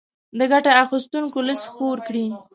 د ګټه اخيستونکو ليست خپور کړي.